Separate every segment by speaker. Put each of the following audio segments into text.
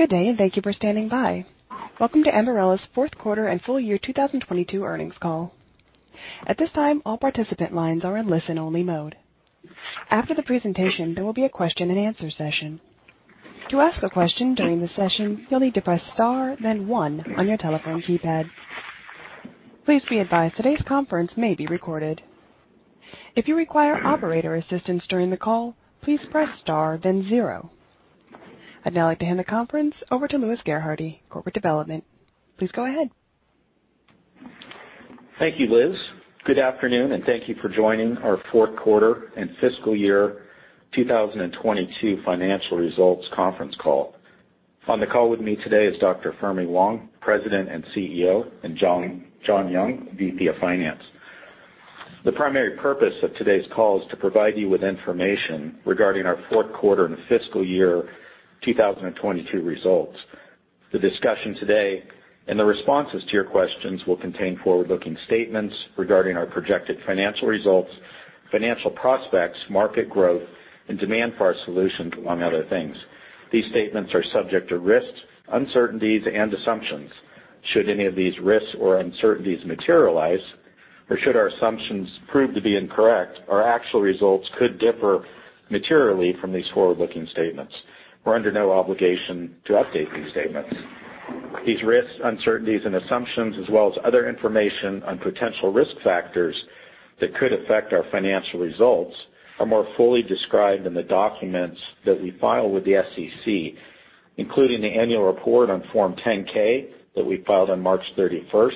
Speaker 1: Good day, and thank you for standing by. Welcome to Ambarella's fourth quarter and full year 2022 earnings call. At this time, all participant lines are in listen-only mode. After the presentation, there will be a question-and-answer session. To ask a question during the session, you'll need to press Star, then one on your telephone keypad. Please be advised today's conference may be recorded. If you require operator assistance during the call, please press Star then zero. I'd now like to hand the conference over to Louis Gerhardy, Corporate Development. Please go ahead.
Speaker 2: Thank you, Liz. Good afternoon, and thank you for joining our fourth quarter and fiscal year 2022 financial results conference call. On the call with me today is Dr. Fermi Wang, President and CEO, and John Young, VP of Finance. The primary purpose of today's call is to provide you with information regarding our fourth quarter and fiscal year 2022 results. The discussion today and the responses to your questions will contain forward-looking statements regarding our projected financial results, financial prospects, market growth, and demand for our solutions, among other things. These statements are subject to risks, uncertainties and assumptions. Should any of these risks or uncertainties materialize, or should our assumptions prove to be incorrect, our actual results could differ materially from these forward-looking statements. We're under no obligation to update these statements. These risks, uncertainties, and assumptions, as well as other information on potential risk factors that could affect our financial results, are more fully described in the documents that we file with the SEC, including the annual report on Form 10-K that we filed on March 31st,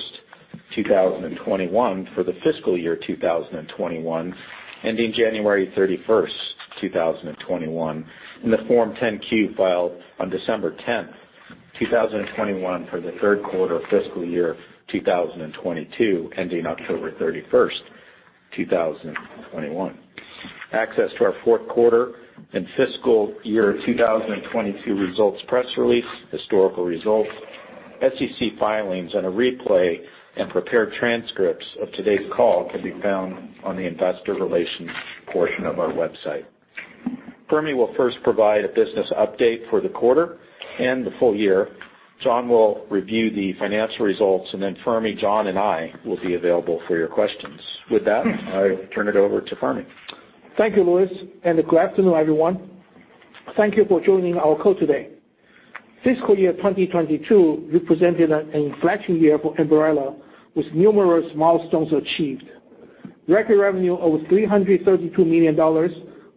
Speaker 2: 2021 for the fiscal year 2021 ending January 31st, 2021, and the Form 10-Q filed on December 10th, 2021 for the third quarter of fiscal year 2022, ending October 31st, 2021. Access to our fourth quarter and fiscal year 2022 results press release, historical results, SEC filings, and a replay and prepared transcripts of today's call can be found on the investor relations portion of our website. Fermi will first provide a business update for the quarter and the full year. John will review the financial results, and then Fermi, John, and I will be available for your questions. With that, I turn it over to Fermi.
Speaker 3: Thank you, Louis, and good afternoon, everyone. Thank you for joining our call today. Fiscal year 2022 represented an inflection year for Ambarella, with numerous milestones achieved. Record revenue of $332 million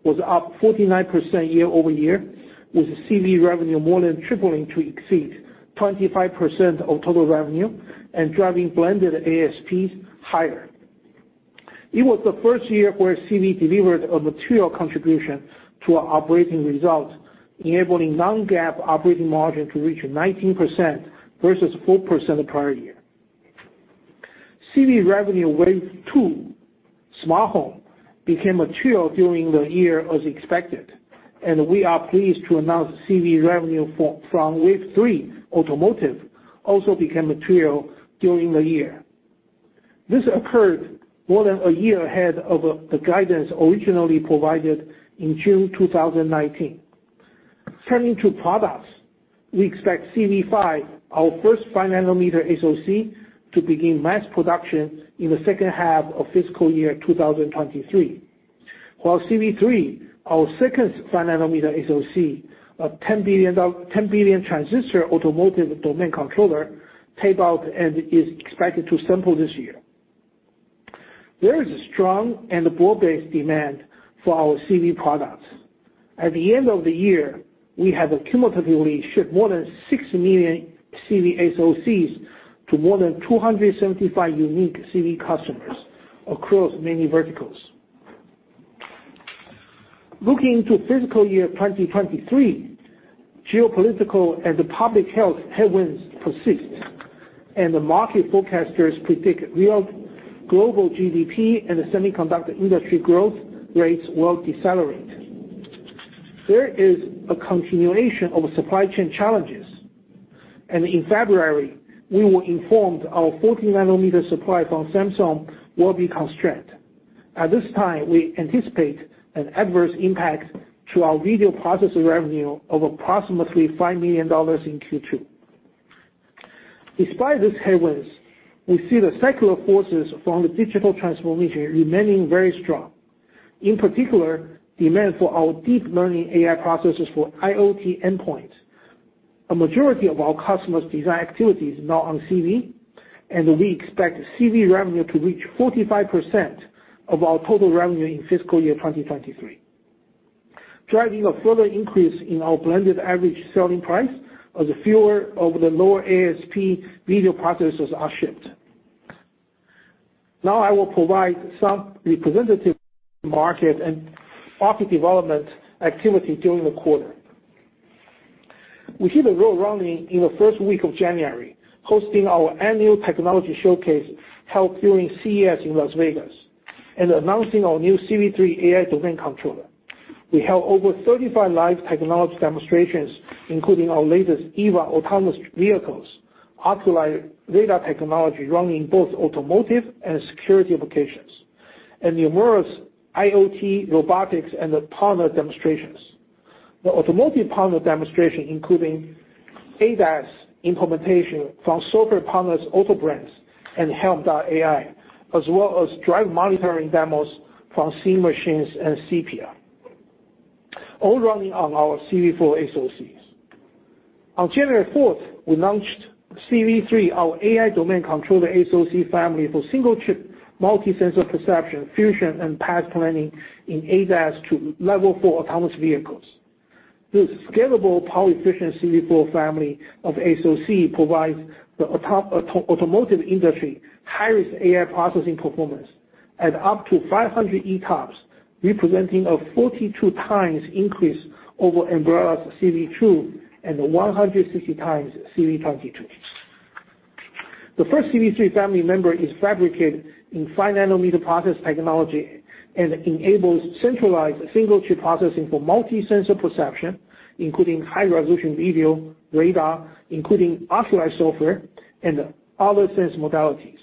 Speaker 3: was up 49% year-over-year, with CV revenue more than tripling to exceed 25% of total revenue and driving blended ASPs higher. It was the first year where CV delivered a material contribution to our operating results, enabling non-GAAP operating margin to reach 19% versus 4% the prior year. CV revenue Wave two, Smart Home, became material during the year as expected, and we are pleased to announce CV revenue from Wave three Automotive also became material during the year. This occurred more than a year ahead of the guidance originally provided in June 2019. Turning to products. We expect CV5, our first 5-nanometer SoC, to begin mass production in the second half of fiscal year 2023. While CV3, our second 5-nanometer SoC, a 10 billion transistor automotive domain controller, has tape-out and is expected to sample this year. There is a strong and broad-based demand for our CV products. At the end of the year, we have cumulatively shipped more than 6 million CV SoCs to more than 275 unique CV customers across many verticals. Looking to fiscal year 2023, geopolitical and public health headwinds persist, and the market forecasters predict real global GDP and the semiconductor industry growth rates will decelerate. There is a continuation of supply chain challenges, and in February we were informed our 40-nanometer supply from Samsung will be constrained. At this time, we anticipate an adverse impact to our video processor revenue of approximately $5 million in Q2. Despite these headwinds, we see the secular forces from the digital transformation remaining very strong. In particular, demand for our deep learning AI processors for IoT endpoints. A majority of our customers design activity is now on CV, and we expect CV revenue to reach 45% of our total revenue in fiscal year 2023, driving a further increase in our blended average selling price as fewer of the lower ASP video processors are shipped. Now I will provide some representative market and product development activity during the quarter. We hit the road running in the first week of January, hosting our annual technology showcase held during CES in Las Vegas and announcing our new CV3 AI domain controller. We held over 35 live technology demonstrations, including our latest EVA autonomous vehicles, Oculii radar technology running both automotive and security applications. Numerous IoT robotics and partner demonstrations. The automotive partner demonstration, including ADAS implementation from software partners, Autobrains and Helm.ai, as well as drive monitoring demos from Seeing Machines and Cipia. All running on our CV4 SoCs. On January 4th, we launched CV3, our AI domain controller SoC family for single chip, multi-sensor perception, fusion, and path planning in ADAS to level 4 autonomous vehicles. This scalable power efficient CV4 family of SoC provides the automotive industry highest AI processing performance at up to 500 TOPS, representing a 42 times increase over Ambarella's CV2 and 160 times CV22. The first CV3 family member is fabricated in 5-nanometer process technology and enables centralized single-chip processing for multi-sensor perception, including high-resolution video, radar, including Oculii software, and other sensor modalities.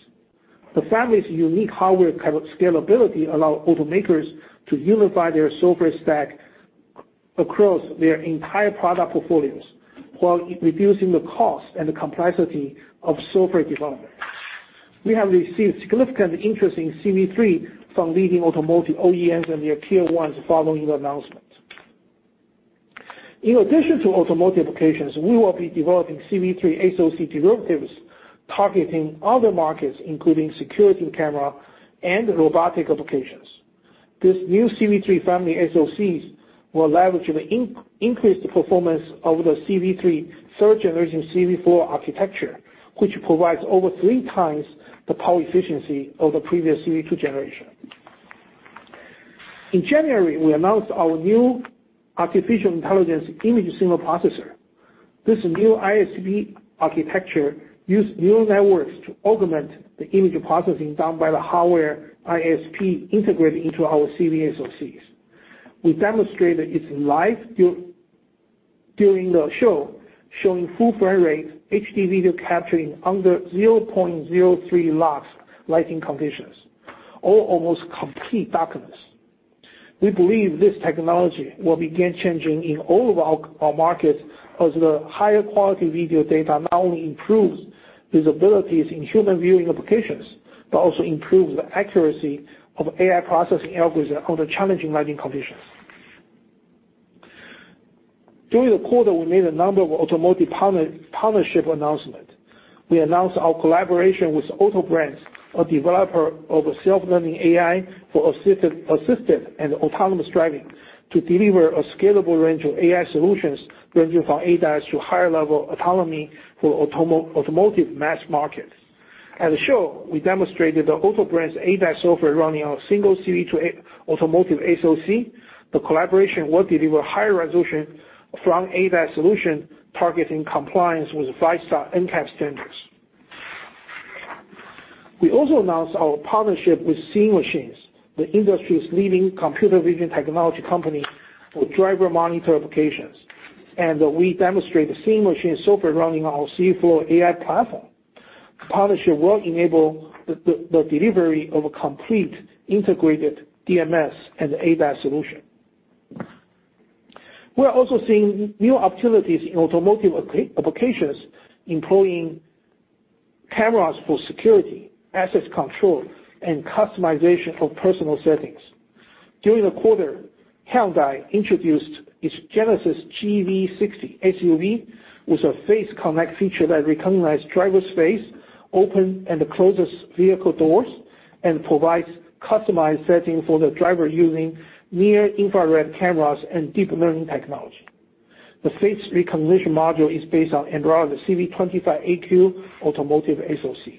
Speaker 3: The family's unique hardware scalability allows automakers to unify their software stack across their entire product portfolios, while reducing the cost and the complexity of software development. We have received significant interest in CV3 from leading automotive OEMs and their tier ones following the announcement. In addition to automotive applications, we will be developing CV3 SoC derivatives targeting other markets, including security camera and robotic applications. This new CV3 family SoCs will leverage an increased performance over the third-generation CV2 architecture, which provides over three times the power efficiency of the previous CV2 generation. In January, we announced our new artificial intelligence image signal processor. This new ISP architecture uses neural networks to augment the image processing done by the hardware ISP integrated into our CV SoCs. We demonstrated it live during the show, showing full frame rate HD video capture under 0.03 lux lighting conditions, or almost complete darkness. We believe this technology will begin shipping in all of our markets as the higher quality video data not only improves visibility in human viewing applications, but also improves the accuracy of AI processing algorithms under challenging lighting conditions. During the quarter, we made a number of automotive partnership announcements. We announced our collaboration with Autobrains, a developer of a self-learning AI for assisted and autonomous driving to deliver a scalable range of AI solutions ranging from ADAS to higher level autonomy for automotive mass market. At the show, we demonstrated the Autobrains ADAS software running on a single CV2A automotive SoC. The collaboration will deliver higher resolution from ADAS solution targeting compliance with five-star NCAP standards. We also announced our partnership with Seeing Machines, the industry's leading computer vision technology company for driver monitor applications. We demonstrate the Seeing Machines software running on our CVflow AI platform. The partnership will enable the delivery of a complete integrated DMS and ADAS solution. We're also seeing new opportunities in automotive applications employing cameras for security, access control, and customization of personal settings. During the quarter, Hyundai introduced its Genesis GV60 SUV with a Face Connect feature that recognize driver's face, open and closes vehicle doors, and provides customized setting for the driver using near-infrared cameras and deep learning technology. The face recognition module is based on Ambarella's CV25AQ automotive SoC.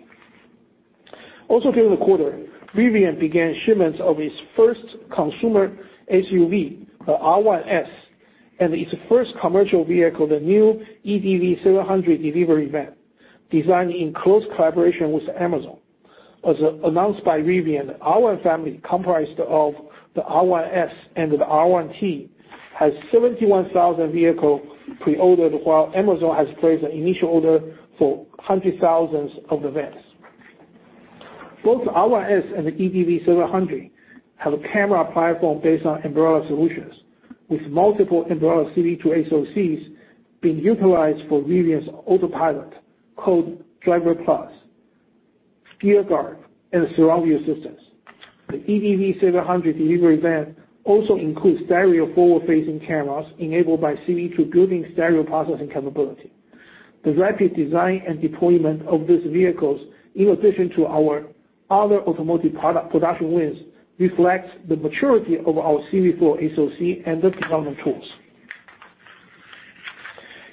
Speaker 3: Also during the quarter, Rivian began shipments of its first consumer SUV, the R1S, and its first commercial vehicle, the new EDV 700 delivery van, designed in close collaboration with Amazon. As announced by Rivian, R1 family comprised of the R1S and the R1T has 71,000 vehicle pre-ordered, while Amazon has placed an initial order for 100,000 of the vans. Both R1S and the EDV 700 have a camera platform based on Ambarella solutions, with multiple Ambarella CV2 SoCs being utilized for Rivian's autopilot, called Driver+, Gear Guard, and Surround View systems. The EDV 700 delivery van also includes stereo forward-facing cameras enabled by CV2 built-in stereo processing capability. The rapid design and deployment of these vehicles, in addition to our other automotive product production wins, reflects the maturity of our CV4 SoC and the development tools.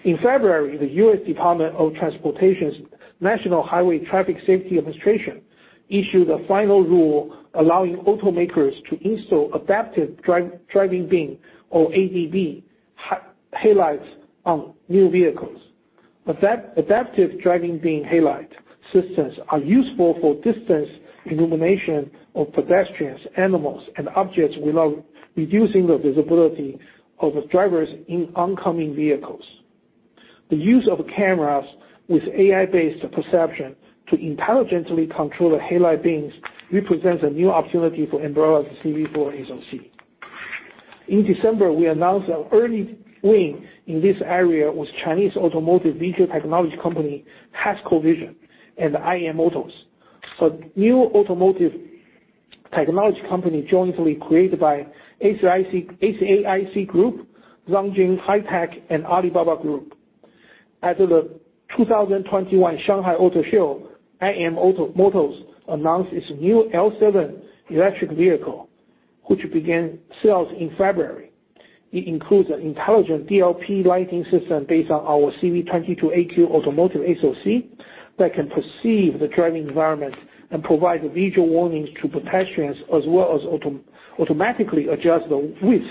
Speaker 3: In February, the U.S. Department of Transportation's National Highway Traffic Safety Administration issued a final rule allowing automakers to install adaptive driving beam or ADB headlights on new vehicles. Adaptive driving beam headlight systems are useful for distance illumination of pedestrians, animals, and objects without reducing the visibility of drivers in oncoming vehicles. The use of cameras with AI-based perception to intelligently control the headlight beams represents a new opportunity for Ambarella's CV4 SoC. In December, we announced an early win in this area with Chinese automotive visual technology company, HASCO Vision and IM Motors. A new automotive technology company jointly created by SAIC Group, Zhangjiang Hi-Tech, and Alibaba Group. At the 2021 Shanghai Auto Show, IM Motors announced its new L7 electric vehicle, which began sales in February. It includes an intelligent DLP lighting system based on our CV22AQ automotive SoC that can perceive the driving environment and provide visual warnings to pedestrians, as well as automatically adjust the width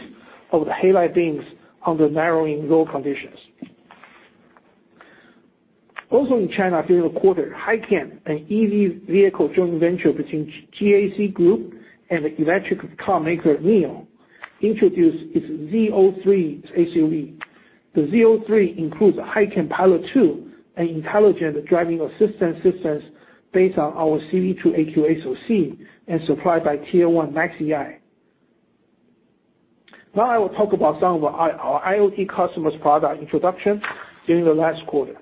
Speaker 3: of the headlight beams under narrowing road conditions. In China during the quarter, Hycan, an EV vehicle joint venture between GAC Group and the electric car maker NIO, introduced its Z03 SUV. The Z03 includes a Hycan Pilot Two, an intelligent driving assistance systems based on our CV2AQ SoC, and supplied by tier one MAXIEYE. Now I will talk about some of our IoT customers' product introduction during the last quarter.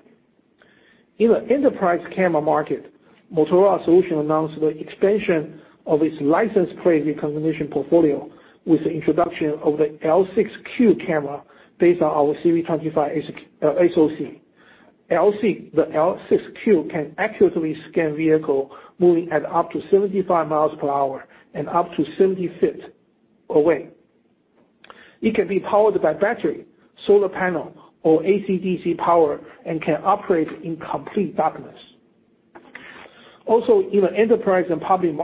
Speaker 3: In the enterprise camera market, Motorola Solutions announced the expansion of its license plate recognition portfolio with the introduction of the L6Q camera based on our CV25 SoC. The L6Q can accurately scan vehicle moving at up to 75 miles per hour and up to 70 feet away. It can be powered by battery, solar panel, or AC-DC power and can operate in complete darkness. Also, in the enterprise and public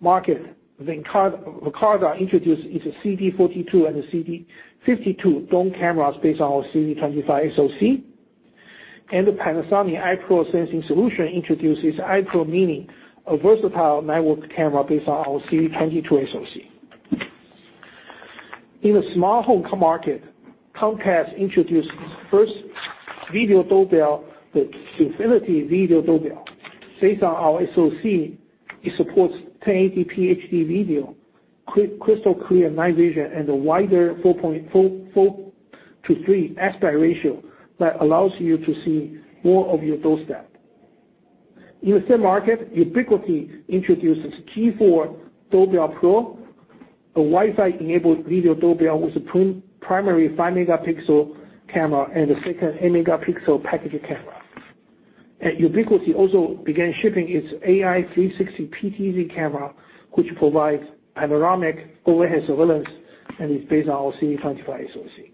Speaker 3: market, Verkada introduced its CD42 and the CD52 dome cameras based on our CV25 SoC. The Panasonic i-PRO Sensing Solutions introduces i-PRO mini, a versatile network camera based on our CV22 SoC. In the smart home market, Comcast introduced its first video doorbell, the Xfinity Video Doorbell. Based on our SoC, it supports 1080p HD video, crystal clear night vision, and a wider 4:3 aspect ratio that allows you to see more of your doorstep. In the same market, Ubiquiti introduces G4 Doorbell Pro, a Wi-Fi enabled video doorbell with a primary five-megapixel camera and a second eight-megapixel package camera. Ubiquiti also began shipping its AI 360 PTZ camera, which provides panoramic overhead surveillance and is based on our CV25 SoC.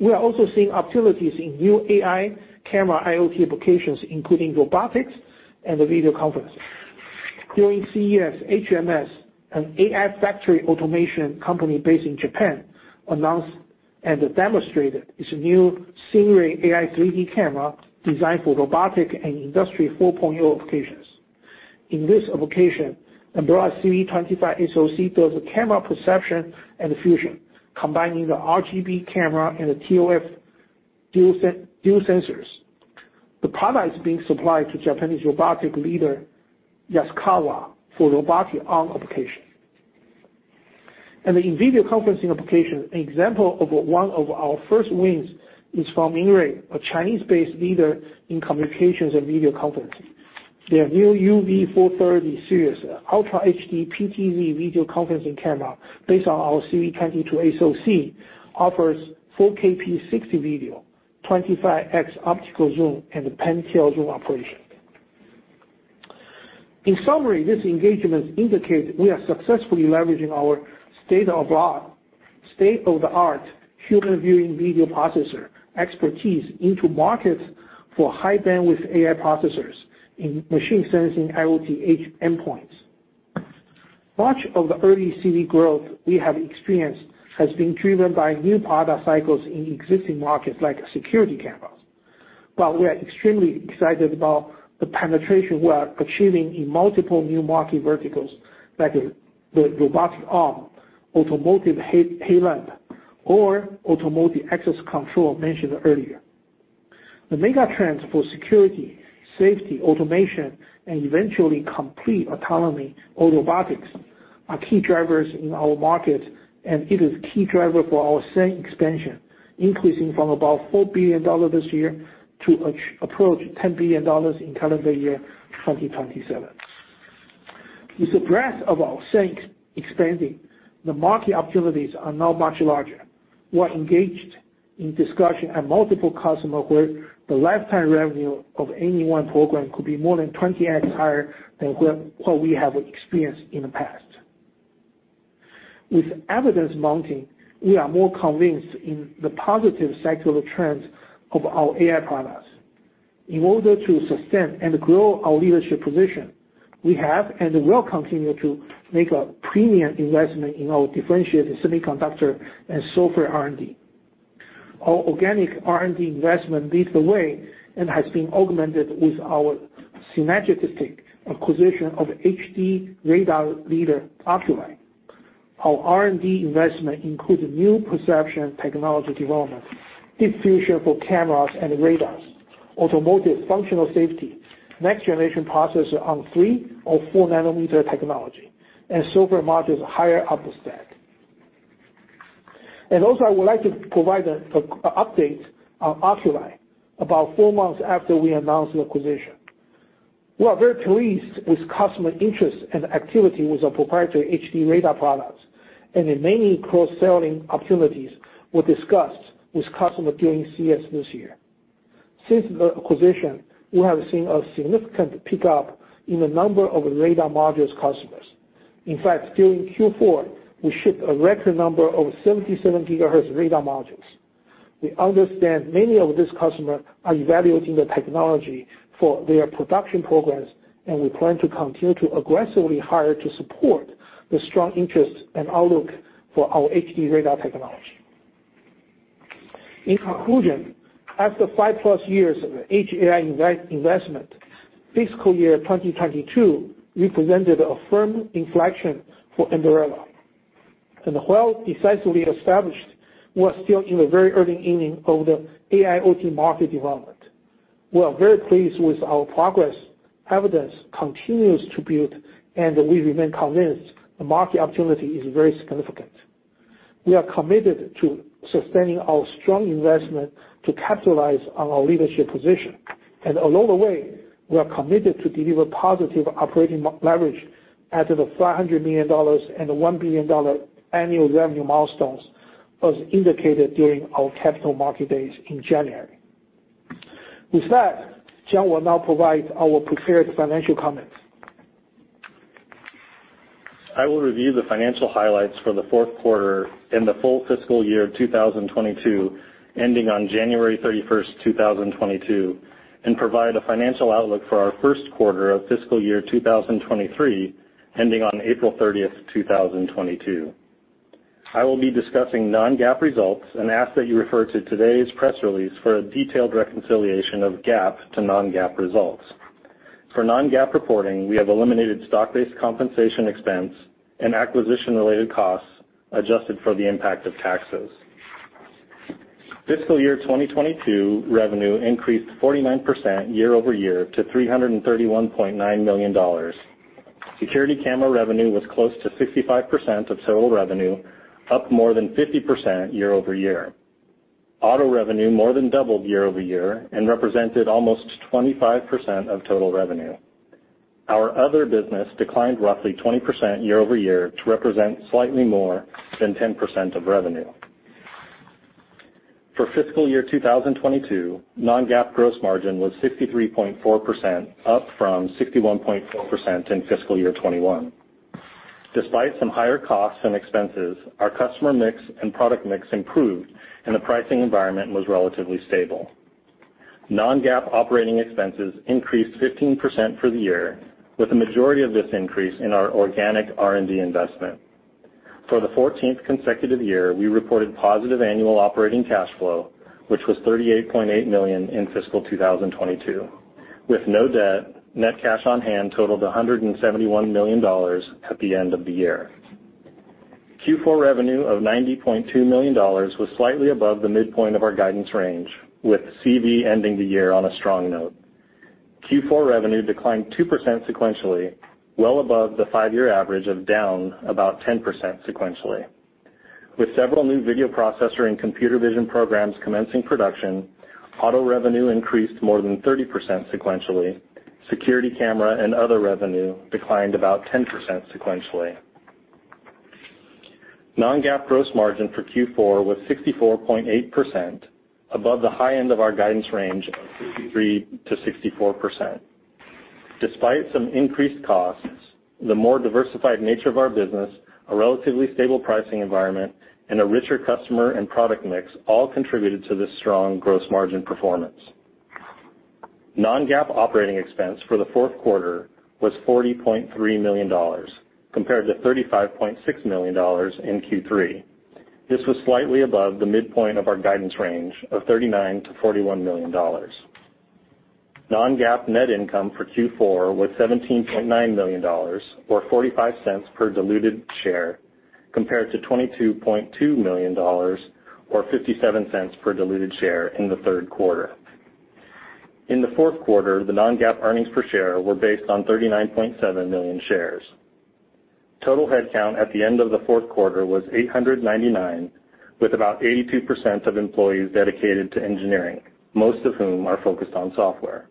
Speaker 3: We are also seeing opportunities in new AI camera IoT applications, including robotics and video conferencing. During CES, HMS, an AI factory automation company based in Japan, announced and demonstrated its new SiNGRAY AI 3D camera designed for robotic and Industry 4.0 applications. In this application, Ambarella CV25 SoC does the camera perception and fusion, combining the RGB camera and the ToF dual sensors. The product is being supplied to Japanese robotic leader, Yaskawa, for robotic arm application. In video conferencing application, an example of one of our first wins is from INNOTRIK, a Chinese-based leader in communications and video conferencing. Their new UV430 series, Ultra HD PTZ video conferencing camera based on our CV22 SoC, offers 4K 60 video, 25x optical zoom, and the pan-tilt-zoom operation. In summary, this engagement indicates we are successfully leveraging our state-of-the-art human viewing video processor expertise into markets for high bandwidth AI processors in machine sensing IoT edge endpoints. Much of the early CV growth we have experienced has been driven by new product cycles in existing markets like security cameras. We are extremely excited about the penetration we are achieving in multiple new market verticals, like the robotic arm, automotive headlamp, or automotive access control mentioned earlier. The mega trends for security, safety, automation, and eventually complete autonomy or robotics are key drivers in our market, and it is key driver for our SoC expansion, increasing from about $4 billion this year to approach $10 billion in calendar year 2027. With the breadth of our SoCs expanding, the market opportunities are now much larger. We are engaged in discussion with multiple customer where the lifetime revenue of any one program could be more than 20x higher than what we have experienced in the past. With evidence mounting, we are more convinced in the positive secular trends of our AI products. In order to sustain and grow our leadership position, we have and will continue to make a premium investment in our differentiated semiconductor and software R&D. Our organic R&D investment leads the way and has been augmented with our synergistic acquisition of HD radar leader, Oculii. Our R&D investment includes new perception technology development, deep fusion for cameras and radars, automotive functional safety, next generation processor on 3 or 4 nanometer technology, and software modules higher up the stack. I would like to provide an update on Oculii about four months after we announced the acquisition. We are very pleased with customer interest and activity with our proprietary HD radar products and the many cross-selling opportunities we discussed with customers during CES this year. Since the acquisition, we have seen a significant pickup in the number of radar module customers. In fact, during Q4, we shipped a record number of 77-GHz radar modules. We understand many of these customers are evaluating the technology for their production programs, and we plan to continue to aggressively hire to support the strong interest and outlook for our HD radar technology. In conclusion, after 5+ years of Edge AI investment, fiscal year 2022 represented a firm inflection for Ambarella. While decisively established, we are still in the very early inning of the AIoT market development. We are very pleased with our progress. Evidence continues to build, and we remain convinced the market opportunity is very significant. We are committed to sustaining our strong investment to capitalize on our leadership position. Along the way, we are committed to deliver positive operating leverage at the $500 million and the $1 billion annual revenue milestones as indicated during our capital market days in January. With that, John will now provide our prepared financial comments.
Speaker 4: I will review the financial highlights for the fourth quarter and the full fiscal year 2022, ending on January 31st, 2022, and provide a financial outlook for our first quarter of fiscal year 2023, ending on April 30th, 2022. I will be discussing non-GAAP results and ask that you refer to today's press release for a detailed reconciliation of GAAP to non-GAAP results. For non-GAAP reporting, we have eliminated stock-based compensation expense and acquisition-related costs adjusted for the impact of taxes. Fiscal year 2022 revenue increased 49% year-over-year to $331.9 million. Security camera revenue was close to 65% of total revenue, up more than 50% year-over-year. Auto revenue more than doubled year-over-year and represented almost 25% of total revenue. Our other business declined roughly 20% year-over-year to represent slightly more than 10% of revenue. For fiscal year 2022, non-GAAP gross margin was 63.4%, up from 61.4% in fiscal year 2021. Despite some higher costs and expenses, our customer mix and product mix improved, and the pricing environment was relatively stable. Non-GAAP operating expenses increased 15% for the year, with the majority of this increase in our organic R&D investment. For the 14th consecutive year, we reported positive annual operating cash flow, which was $38.8 million in fiscal 2022. With no debt, net cash on hand totaled $171 million at the end of the year. Q4 revenue of $90.2 million was slightly above the midpoint of our guidance range, with CV ending the year on a strong note. Q4 revenue declined 2% sequentially, well above the five-year average of down about 10% sequentially. With several new video processor and computer vision programs commencing production, auto revenue increased more than 30% sequentially. Security camera and other revenue declined about 10% sequentially. Non-GAAP gross margin for Q4 was 64.8%, above the high end of our guidance range of 63%-64%. Despite some increased costs, the more diversified nature of our business, a relatively stable pricing environment, and a richer customer and product mix all contributed to this strong gross margin performance. Non-GAAP operating expense for the fourth quarter was $40.3 million, compared to $35.6 million in Q3. This was slightly above the midpoint of our guidance range of $39 million-$41 million. Non-GAAP net income for Q4 was $17.9 million or $0.45 per diluted share, compared to $22.2 million or $0.57 per diluted share in the third quarter. In the fourth quarter, the non-GAAP earnings per share were based on 39.7 million shares. Total headcount at the end of the fourth quarter was 899, with about 82% of employees dedicated to engineering, most of whom are focused on software.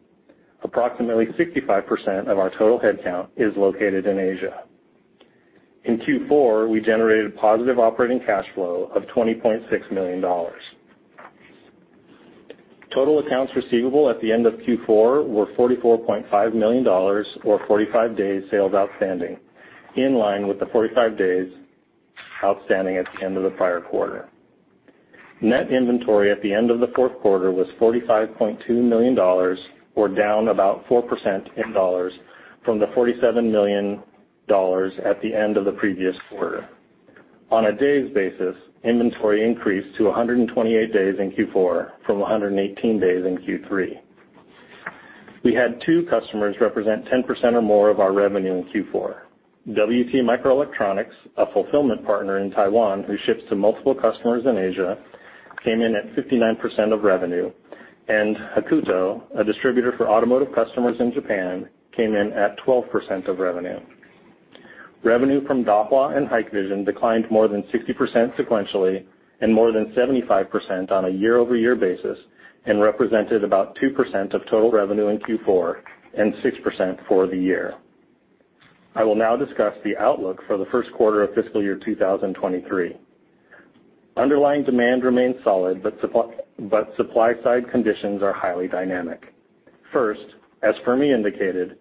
Speaker 4: Approximately 65% of our total headcount is located in Asia. In Q4, we generated positive operating cash flow of $20.6 million. Total accounts receivable at the end of Q4 were $44.5 million or 45 days sales outstanding, in line with the 45 days outstanding at the end of the prior quarter. Net inventory at the end of the fourth quarter was $45.2 million or down about 4% in dollars from the $47 million at the end of the previous quarter. On a days basis, inventory increased to 128 days in Q4 from 118 days in Q3. We had two customers represent 10% or more of our revenue in Q4. WT Microelectronics, a fulfillment partner in Taiwan who ships to multiple customers in Asia, came in at 59% of revenue, and Hakuto, a distributor for automotive customers in Japan, came in at 12% of revenue. Revenue from Dahua and Hikvision declined more than 60% sequentially and more than 75% on a year-over-year basis and represented about 2% of total revenue in Q4 and 6% for the year. I will now discuss the outlook for the first quarter of fiscal year 2023. Underlying demand remains solid, but supply side conditions are highly dynamic. First, as Fermi indicated,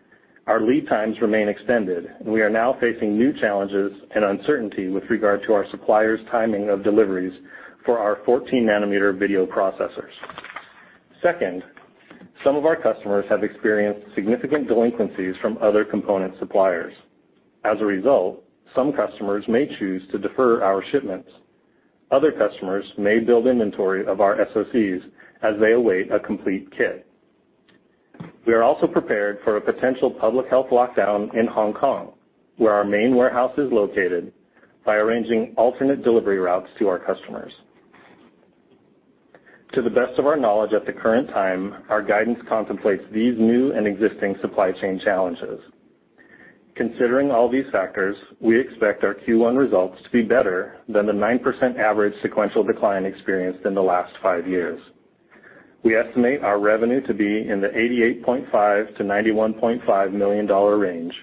Speaker 4: our lead times remain extended, and we are now facing new challenges and uncertainty with regard to our suppliers' timing of deliveries for our 14-nanometer video processors. Second, some of our customers have experienced significant delinquencies from other component suppliers. As a result, some customers may choose to defer our shipments. Other customers may build inventory of our SoCs as they await a complete kit. We are also prepared for a potential public health lockdown in Hong Kong, where our main warehouse is located, by arranging alternate delivery routes to our customers. To the best of our knowledge at the current time, our guidance contemplates these new and existing supply chain challenges. Considering all these factors, we expect our Q1 results to be better than the 9% average sequential decline experienced in the last five years. We estimate our revenue to be in the $88.5 million-$91.5 million range,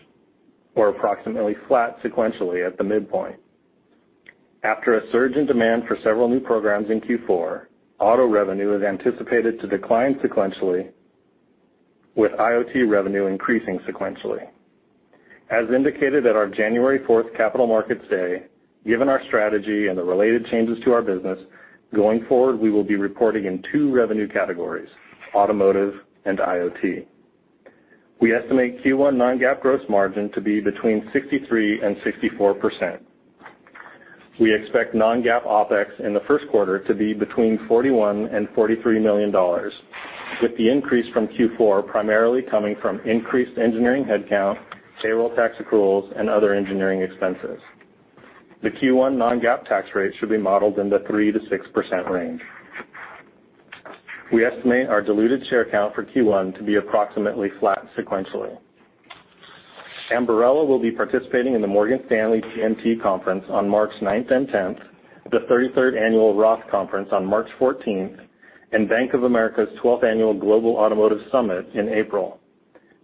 Speaker 4: or approximately flat sequentially at the midpoint. After a surge in demand for several new programs in Q4, auto revenue is anticipated to decline sequentially, with IoT revenue increasing sequentially. As indicated at our January 4th Capital Markets Day, given our strategy and the related changes to our business, going forward, we will be reporting in two revenue categories: automotive and IoT. We estimate Q1 non-GAAP gross margin to be between 63%-64%. We expect non-GAAP OpEx in the first quarter to be between $41 million-$43 million, with the increase from Q4 primarily coming from increased engineering headcount, payroll tax accruals, and other engineering expenses. The Q1 non-GAAP tax rate should be modeled in the 3%-6% range. We estimate our diluted share count for Q1 to be approximately flat sequentially. Ambarella will be participating in the Morgan Stanley TMT conference on March 9th and 10th, the 33rd annual ROTH Conference on March 14th, and Bank of America's 12th annual Global Automotive Summit in April.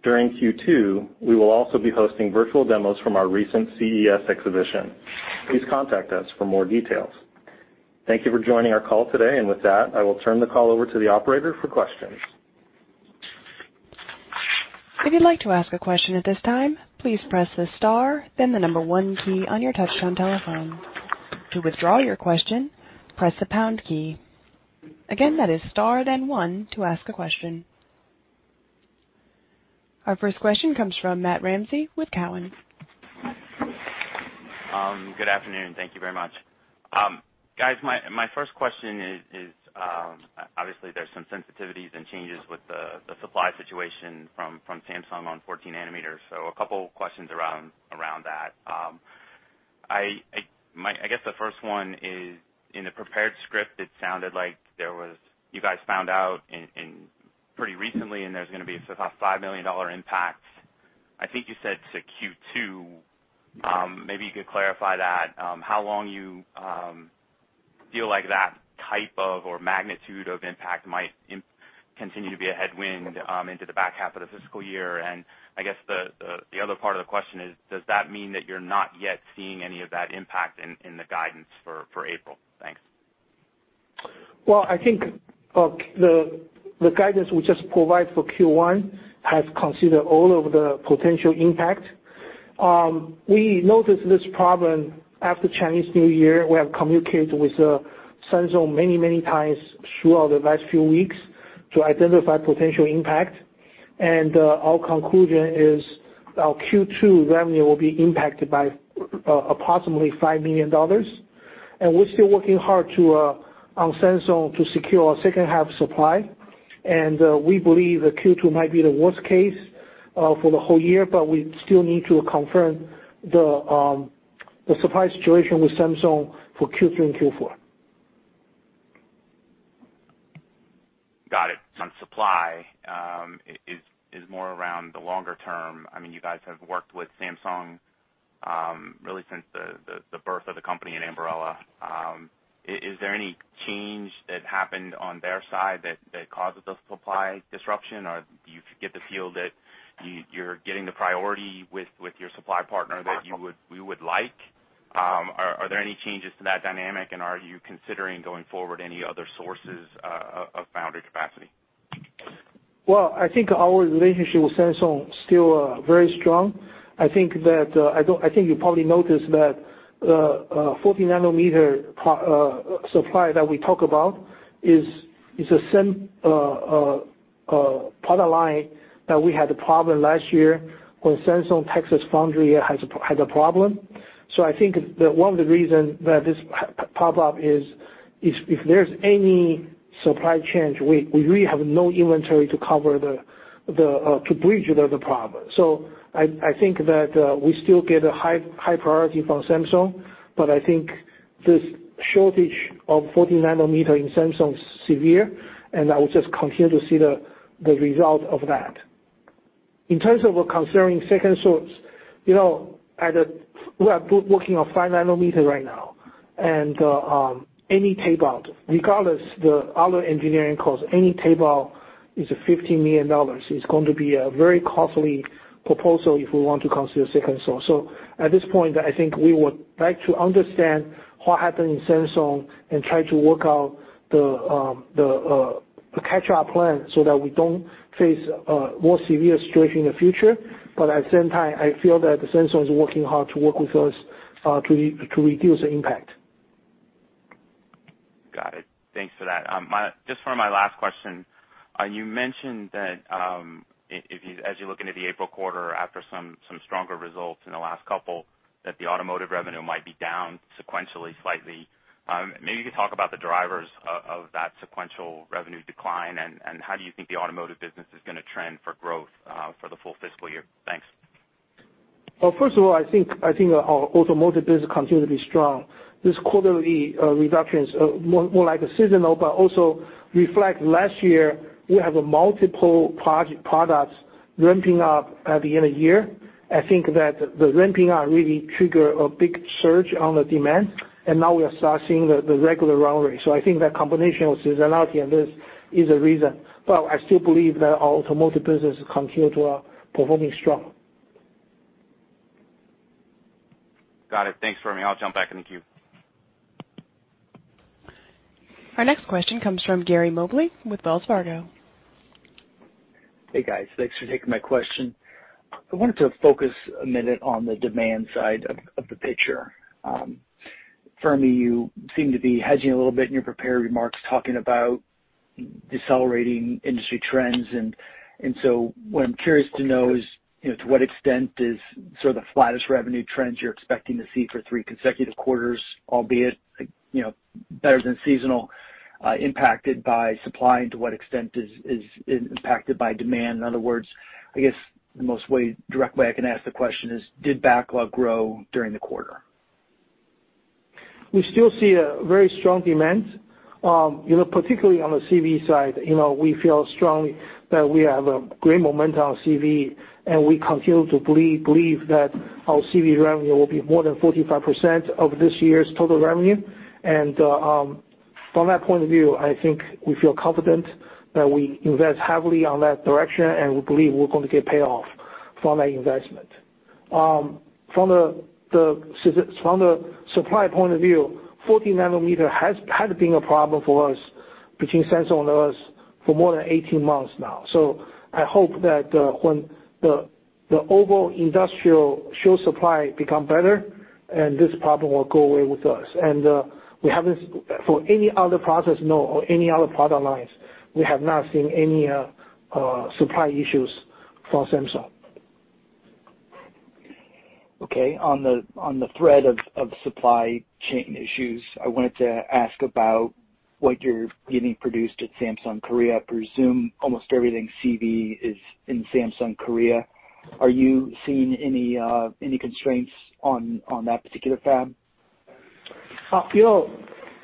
Speaker 4: During Q2, we will also be hosting virtual demos from our recent CES exhibition. Please contact us for more details. Thank you for joining our call today. With that, I will turn the call over to the operator for questions.
Speaker 1: Our first question comes from Matt Ramsay with Cowen.
Speaker 5: Good afternoon. Thank you very much. Guys, my first question is, obviously there's some sensitivities and changes with the supply situation from Samsung on 14 nanometers. A couple questions around that. I guess the first one is, in the prepared script, it sounded like you guys found out pretty recently and there's gonna be a $5 million impact. I think you said to Q2. Maybe you could clarify that, how long you feel like that type of or magnitude of impact might continue to be a headwind into the back half of the fiscal year. I guess the other part of the question is, does that mean that you're not yet seeing any of that impact in the guidance for April? Thanks.
Speaker 3: Well, I think the guidance we just provide for Q1 has considered all of the potential impact. We noticed this problem after Chinese New Year. We have communicated with Samsung many times throughout the last few weeks to identify potential impact. Our conclusion is our Q2 revenue will be impacted by approximately $5 million. We're still working hard on Samsung to secure our second half supply. We believe that Q2 might be the worst case for the whole year, but we still need to confirm the supply situation with Samsung for Q3 and Q4.
Speaker 5: Got it. On supply is more around the longer term. I mean, you guys have worked with Samsung really since the birth of the company, Ambarella. Is there any change that happened on their side that causes the supply disruption? Or do you get the feel that you're getting the priority with your supply partner that you would like? Are there any changes to that dynamic, and are you considering going forward any other sources of foundry capacity?
Speaker 3: Well, I think our relationship with Samsung still very strong. I think you probably noticed that 14 nanometer process supply that we talk about is the same product line that we had a problem last year when Samsung Austin Semiconductor had a problem. I think that one of the reason that this popped up is if there's any supply change, we really have no inventory to cover to bridge the problem. I think that we still get a high priority from Samsung, but I think this shortage of 40 nanometer in Samsung is severe, and I will just continue to see the result of that. In terms of considering second source, you know, we are working on 5 nanometer right now. Any tape out, regardless of the other engineering costs, any tape out is $50 million. It's going to be a very costly proposal if we want to consider second source. At this point, I think we would like to understand what happened in Samsung and try to work out the catch-up plan so that we don't face a more severe situation in the future. At the same time, I feel that Samsung is working hard to work with us to reduce the impact.
Speaker 5: Got it. Thanks for that. Just for my last question, you mentioned that, as you look into the April quarter after some stronger results in the last couple, that the automotive revenue might be down sequentially slightly. Maybe you could talk about the drivers of that sequential revenue decline and how do you think the automotive business is gonna trend for growth, for the full fiscal year? Thanks.
Speaker 3: Well, first of all, I think our automotive business continues to be strong. This quarterly reduction is more like a seasonal, but also reflect last year, we have a multiple products ramping up at the end of year. I think that the ramping up really trigger a big surge on the demand, and now we are start seeing the regular run rate. I think that combination of seasonality and this is a reason. I still believe that our automotive business continue to performing strong.
Speaker 5: Got it. Thanks, Fermi. I'll jump back in the queue.
Speaker 1: Our next question comes from Gary Mobley with Wells Fargo.
Speaker 6: Hey, guys. Thanks for taking my question. I wanted to focus a minute on the demand side of the picture. Fermi, you seem to be hedging a little bit in your prepared remarks talking about decelerating industry trends. So what I'm curious to know is, you know, to what extent is sort of the flattest revenue trends you're expecting to see for three consecutive quarters, albeit, you know, better than seasonal, impacted by supply and to what extent is impacted by demand? In other words, I guess the direct way I can ask the question is, did backlog grow during the quarter?
Speaker 3: We still see a very strong demand. You know, particularly on the CV side, you know, we feel strongly that we have a great momentum on CV, and we continue to believe that our CV revenue will be more than 45% of this year's total revenue. From that point of view, I think we feel confident that we invest heavily on that direction, and we believe we're going to get payoff from that investment. From the supply point of view, 40 nanometer had been a problem for us between Samsung and us for more than 18 months now. I hope that when the overall industry short supply become better, this problem will go away with us. We have not seen any supply issues for any other process or any other product lines for Samsung.
Speaker 6: Okay. On the thread of supply chain issues, I wanted to ask about what you're getting produced at Samsung Korea. I presume almost everything CV is in Samsung Korea. Are you seeing any constraints on that particular fab?
Speaker 3: You know,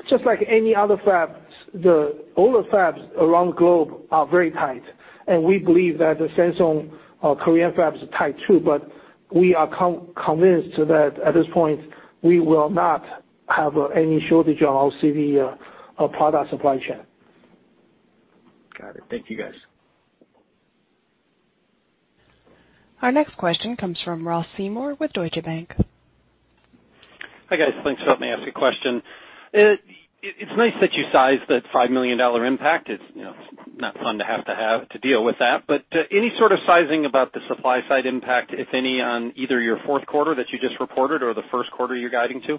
Speaker 3: just like any other fabs, the older fabs around the globe are very tight. We believe that the Samsung Korean fabs are tight too, but we are convinced that at this point, we will not have any shortage on our CV product supply chain.
Speaker 6: Got it. Thank you, guys.
Speaker 1: Our next question comes from Ross Seymore with Deutsche Bank.
Speaker 7: Hi, guys. Thanks for letting me ask a question. It's nice that you sized the $5 million impact. You know, it's not fun to have to deal with that. Any sort of sizing about the supply side impact, if any, on either your fourth quarter that you just reported or the first quarter you're guiding to?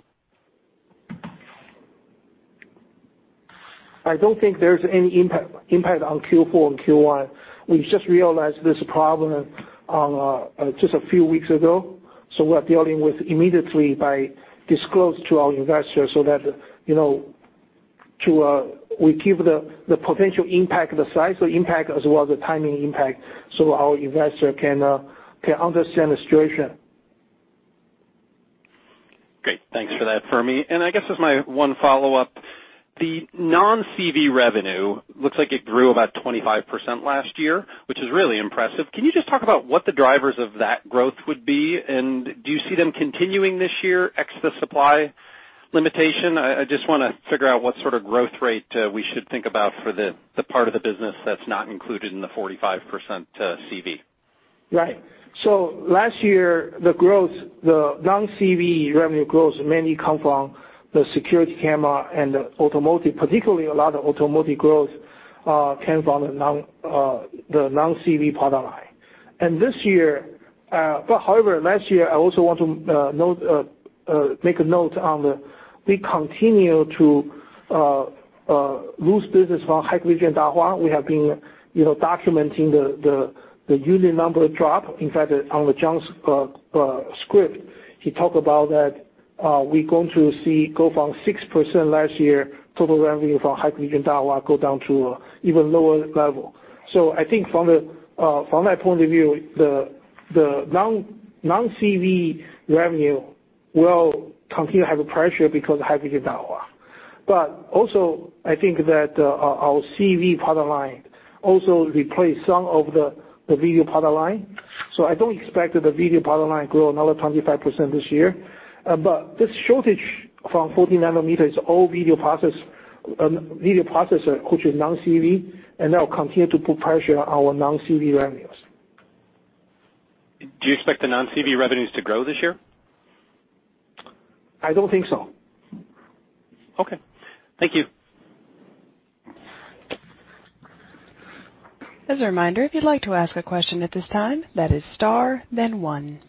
Speaker 3: I don't think there's any impact on Q4 and Q1. We just realized this problem a few weeks ago, so we're dealing with it immediately by disclosing to our investors so that, you know, we give the potential impact, the size of impact as well as the timing impact so our investors can understand the situation.
Speaker 7: Great. Thanks for that, Fermi. I guess as my one follow-up, the non-CV revenue looks like it grew about 25% last year, which is really impressive. Can you just talk about what the drivers of that growth would be? Do you see them continuing this year ex the supply limitation? I just wanna figure out what sort of growth rate we should think about for the part of the business that's not included in the 45% CV?
Speaker 3: Right. Last year, the growth, the non-CV revenue growth mainly come from the security camera and the automotive. Particularly, a lot of automotive growth came from the non-CV product line. This year – however, last year, I also want to make a note on the we continue to lose business from Hikvision Dahua. We have been you know documenting the unit number drop. In fact, on the John's script, he talked about that. We're going to go from 6% last year total revenue from Hikvision Dahua go down to even lower level. I think from that point of view, the non-CV revenue will continue to have a pressure because of Hikvision Dahua. I think that our CV product line also replace some of the video product line. I don't expect that the video product line grow another 25% this year. This shortage from 40-nanometer is all video processor, which is non-CV, and that will continue to put pressure on our non-CV revenues.
Speaker 7: Do you expect the non-CV revenues to grow this year?
Speaker 3: I don't think so.
Speaker 7: Okay, thank you.
Speaker 1: As a reminder, if you'd like to ask a question at this time, that is star then one.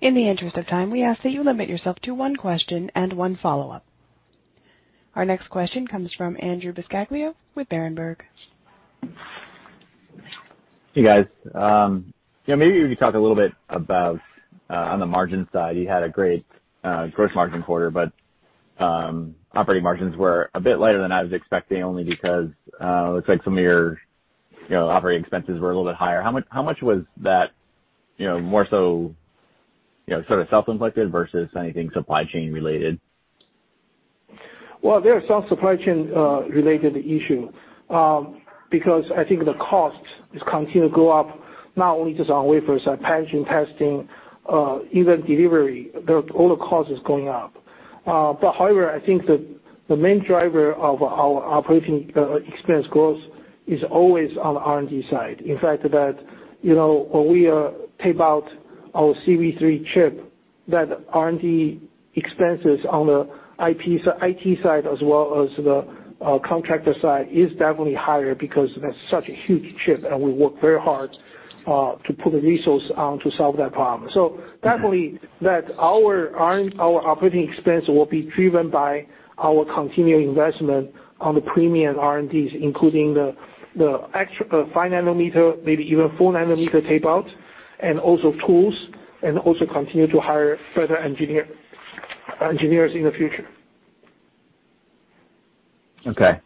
Speaker 1: In the interest of time, we ask that you limit yourself to one question and one follow-up. Our next question comes from Andrew Buscaglia with Berenberg.
Speaker 8: Hey, guys. You know, maybe if you could talk a little bit about on the margin side, you had a great gross margin quarter, but operating margins were a bit lighter than I was expecting, only because looks like some of your, you know, operating expenses were a little bit higher. How much was that, you know, more so, you know, sort of self-inflicted versus anything supply chain related?
Speaker 3: Well, there are some supply chain related issue because I think the cost is continue to go up not only just on wafers and packaging, testing, even delivery. All the cost is going up. However, I think that the main driver of our operating expense growth is always on the R&D side. In fact, you know, when we tape out our CV3 chip that R&D expenses on the IP/IT side, as well as the contractor side is definitely higher because that's such a huge chip and we work very hard to put the resource on to solve that problem. Definitely our operating expense will be driven by our continuing investment on the premium R&D, including the 5 nanometer, maybe even 4 nanometer tape out and also tools and also continue to hire further engineers in the future.
Speaker 8: Okay,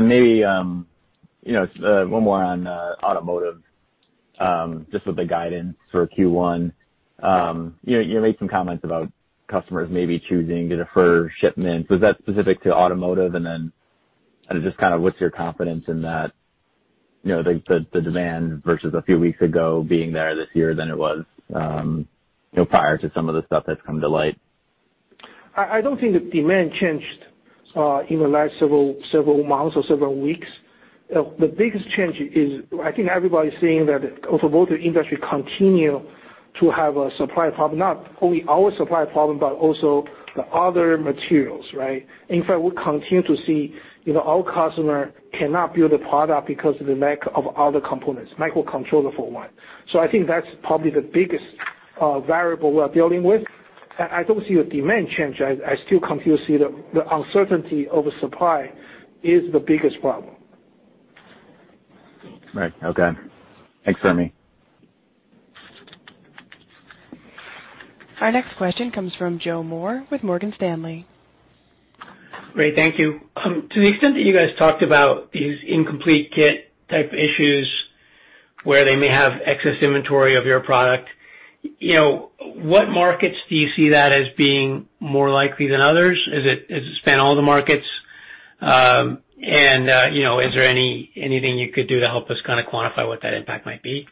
Speaker 8: maybe, you know, one more on automotive, just with the guidance for Q1. You know, you made some comments about customers maybe choosing to defer shipments. Was that specific to automotive? Just kind of what's your confidence in that, you know, the demand versus a few weeks ago being stronger this year than it was, prior to some of the stuff that's come to light?
Speaker 3: I don't think the demand changed in the last several months or several weeks. The biggest change is I think everybody's seeing that automotive industry continue to have a supply problem, not only our supply problem, but also the other materials, right? In fact, we continue to see, you know, our customer cannot build a product because of the lack of other components, microcontroller for one. So I think that's probably the biggest variable we're dealing with. I don't see a demand change. I still continue to see the uncertainty of supply is the biggest problem.
Speaker 8: Right. Okay. Thanks for having me.
Speaker 1: Our next question comes from Joe Moore with Morgan Stanley.
Speaker 9: Great. Thank you. To the extent that you guys talked about these incomplete kit type issues where they may have excess inventory of your product, you know, what markets do you see that as being more likely than others? Does it span all the markets? You know, is there anything you could do to help us kind of quantify what that impact might be?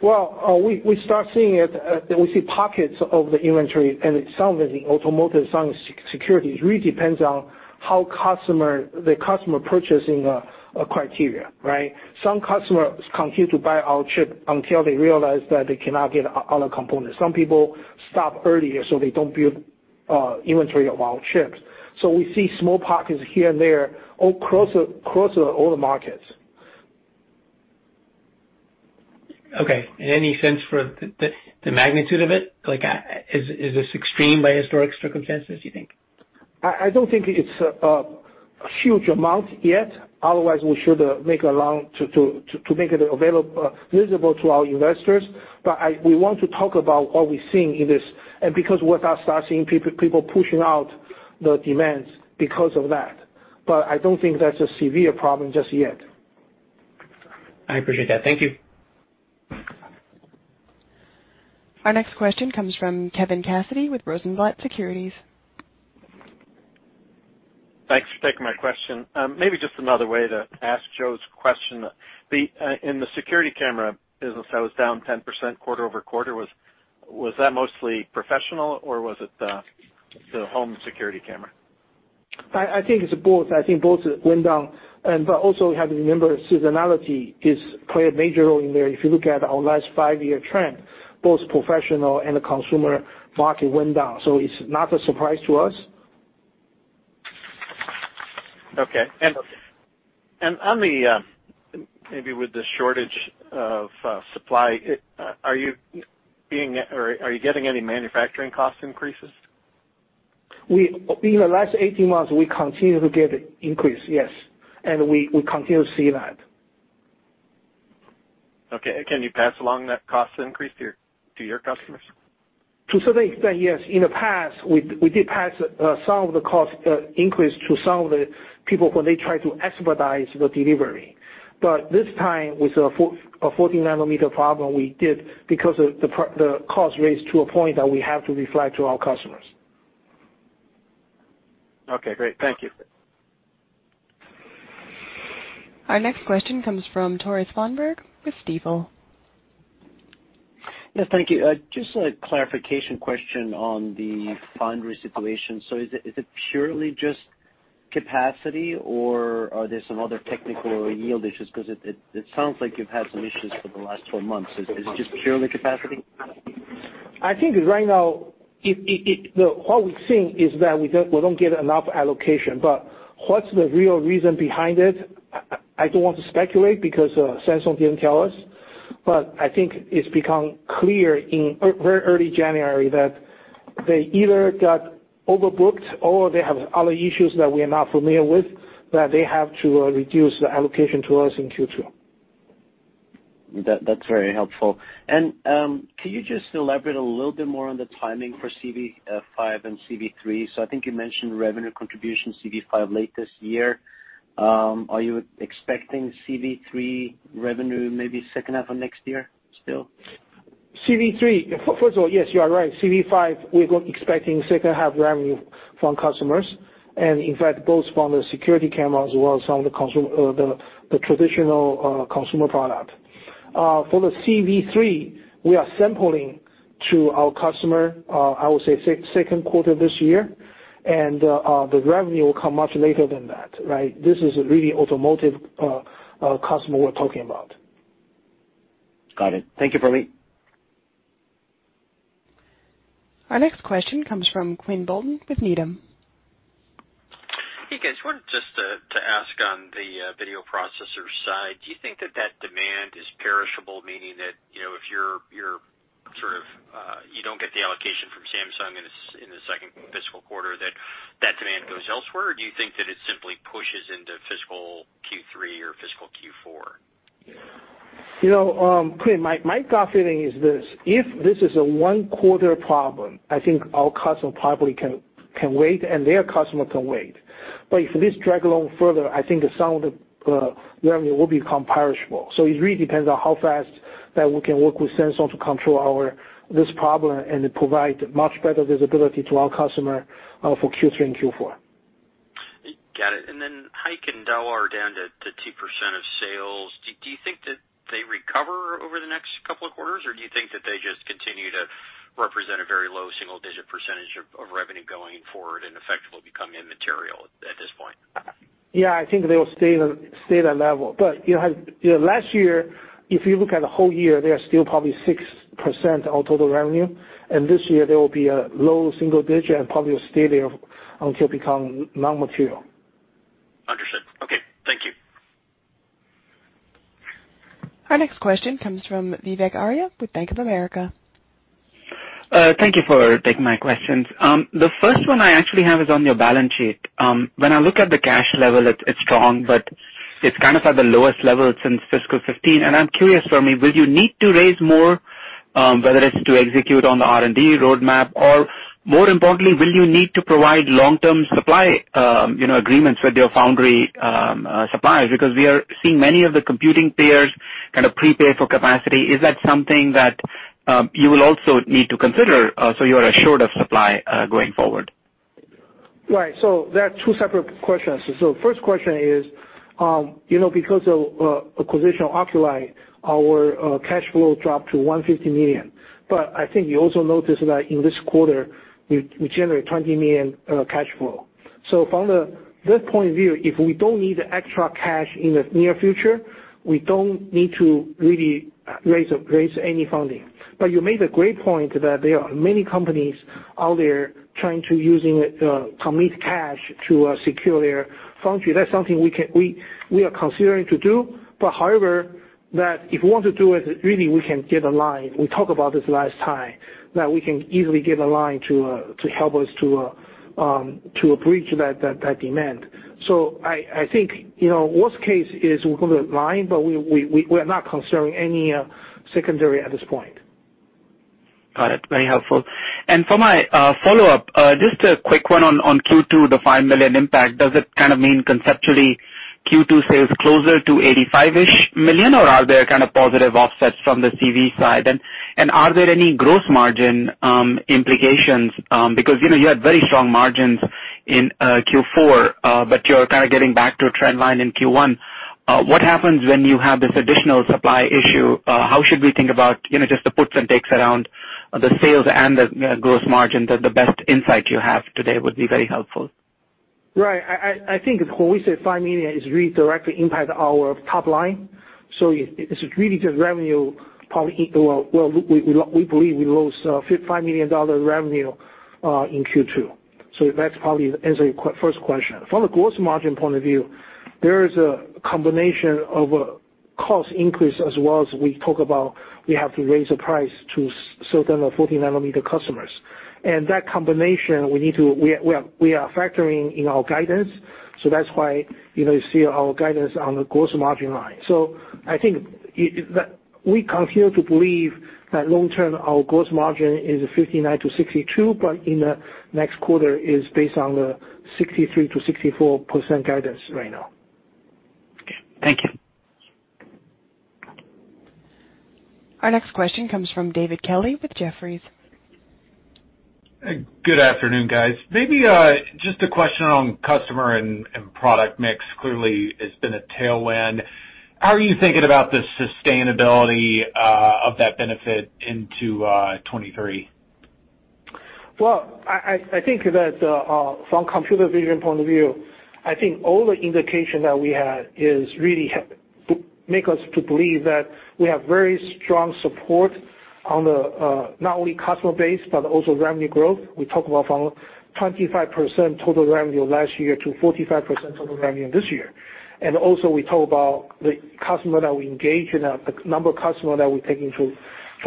Speaker 3: Well, we start seeing it, we see pockets of the inventory and some is in automotive, some is in security. It really depends on how the customer purchasing criteria, right? Some customers continue to buy our chip until they realize that they cannot get other components. Some people stop earlier, so they don't build inventory of our chips. We see small pockets here and there across all the markets.
Speaker 9: Okay. Any sense for the magnitude of it? Like, is this extreme by historic circumstances, you think?
Speaker 3: I don't think it's a huge amount yet. Otherwise we should make it known to make it available, visible to our investors. We want to talk about what we're seeing in this and because we are seeing people pushing out the demands because of that. I don't think that's a severe problem just yet.
Speaker 9: I appreciate that. Thank you.
Speaker 1: Our next question comes from Kevin Cassidy with Rosenblatt Securities.
Speaker 10: Thanks for taking my question. Maybe just another way to ask Joe's question. The, in the security camera business, that was down 10% quarter-over-quarter. Was that mostly professional or was it the home security camera?
Speaker 3: I think it's both. I think both went down. Also you have to remember seasonality plays a major role in there. If you look at our last five-year trend, both professional and the consumer market went down. It's not a surprise to us.
Speaker 10: Maybe with the shortage of supply, are you being or are you getting any manufacturing cost increases?
Speaker 3: In the last 18 months, we continue to get increase, yes. We continue to see that.
Speaker 10: Okay. Can you pass along that cost increase to your customers?
Speaker 3: To some extent, yes. In the past, we did pass some of the cost increase to some of the people when they tried to expedite the delivery. This time, with a 14-nanometer problem, we did because of the cost rose to a point that we have to reflect to our customers.
Speaker 10: Okay, great. Thank you.
Speaker 1: Our next question comes from Tore Svanberg with Stifel.
Speaker 11: Yes, thank you. Just a clarification question on the foundry situation. Is it purely just capacity, or are there some other technical or yield issues? 'Cause it sounds like you've had some issues for the last 12 months. Is it just purely capacity?
Speaker 3: I think right now what we're seeing is that we don't get enough allocation. What's the real reason behind it? I don't want to speculate because Samsung didn't tell us. I think it's become clear in very early January that they either got overbooked or they have other issues that we are not familiar with, that they have to reduce the allocation to us in Q2.
Speaker 11: That's very helpful. Can you just elaborate a little bit more on the timing for CV5 and CV3? I think you mentioned revenue contribution CV5 late this year. Are you expecting CV3 revenue maybe second half of next year still?
Speaker 3: CV3. First of all, yes, you are right. CV5, we're expecting second half revenue from customers, and in fact, both from the security camera as well as some of the traditional consumer product. For the CV3, we are sampling to our customer. I would say second quarter this year. The revenue will come much later than that, right? This is really automotive customer we're talking about.
Speaker 11: Got it. Thank you, Fermi.
Speaker 1: Our next question comes from Quinn Bolton with Needham.
Speaker 12: Hey, guys. I wanted just to ask on the video processor side, do you think that demand is perishable, meaning that, you know, if you're sort of you don't get the allocation from Samsung in the second fiscal quarter, that demand goes elsewhere? Or do you think that it simply pushes into fiscal Q3 or fiscal Q4?
Speaker 3: You know, Quinn, my gut feeling is this: If this is a one-quarter problem, I think our customer probably can wait, and their customer can wait. If this drags along further, I think some of the revenue will become perishable. It really depends on how fast we can work with Samsung to control this problem and to provide much better visibility to our customer for Q3 and Q4.
Speaker 12: Got it. Hikvision and Dahua are down to 2% of sales. Do you think that they recover over the next couple of quarters, or do you think that they just continue to represent a very low single-digit percentage of revenue going forward and effectively become immaterial at this point?
Speaker 3: Yeah, I think they will stay that level. You know, last year, if you look at the whole year, they are still probably 6% of total revenue. This year they will be a low single digit and probably will stay there until become non-material.
Speaker 12: Understood. Okay, thank you.
Speaker 1: Our next question comes from Vivek Arya with Bank of America.
Speaker 13: Thank you for taking my questions. The first one I actually have is on your balance sheet. When I look at the cash level, it's strong, but it's kind of at the lowest level since fiscal 2015. I'm curious for me, will you need to raise more, whether it's to execute on the R&D roadmap? Or more importantly, will you need to provide long-term supply, you know, agreements with your foundry suppliers? Because we are seeing many of the computing peers kind of prepay for capacity. Is that something that you will also need to consider, so you are assured of supply going forward?
Speaker 3: Right. There are two separate questions. First question is, you know, because of acquisition of Oculii, our cash flow dropped to $150 million. I think you also notice that in this quarter, we generate $20 million cash flow. From this point of view, if we don't need extra cash in the near future, we don't need to really raise any funding. You made a great point that there are many companies out there trying to commit cash to secure their foundry. That's something we are considering to do. However, that if we want to do it, really we can get a line. We talked about this last time, that we can easily get a line to help us to bridge that demand. I think, you know, worst case is we'll go to the line, but we're not considering any secondary at this point.
Speaker 13: Got it. Very helpful. For my follow-up, just a quick one on Q2, the $5 million impact. Does it kind of mean conceptually Q2 sales closer to $85-ish million, or are there kind of positive offsets from the CV side? Are there any gross margin implications, because, you know, you had very strong margins in Q4, but you're kind of getting back to a trend line in Q1. What happens when you have this additional supply issue? How should we think about, you know, just the puts and takes around the sales and the gross margin? The best insight you have today would be very helpful.
Speaker 3: I think when we say $5 million is really directly impact our top line. It's really just revenue probably. Well, we believe we lose $5 million revenue in Q2. That's probably answers your first question. From a gross margin point of view, there is a combination of cost increase as well as we talk about, we have to raise the price to certain of 40-nanometer customers. That combination we are factoring in our guidance, so that's why, you know, you see our guidance on the gross margin line. I think that we continue to believe that long term, our gross margin is 59%-62%, but in the next quarter is based on the 63%-64% guidance right now.
Speaker 13: Okay, thank you.
Speaker 1: Our next question comes from David Kelley with Jefferies.
Speaker 14: Good afternoon, guys. Maybe just a question on customer and product mix. Clearly, it's been a tailwind. How are you thinking about the sustainability of that benefit into 2023?
Speaker 3: Well, I think that from computer vision point of view, I think all the indication that we have is really to make us to believe that we have very strong support on the not only customer base but also revenue growth. We talk about from 25% total revenue last year to 45% total revenue this year. We also talk about the customer that we engage and the number of customer that we take into